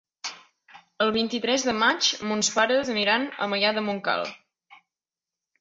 El vint-i-tres de maig mons pares aniran a Maià de Montcal.